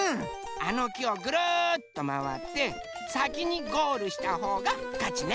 あの木をぐるっとまわってさきにゴールしたほうがかちね。